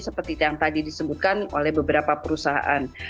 seperti yang tadi disebutkan oleh beberapa perusahaan